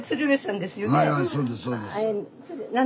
はいはいそうですそうです。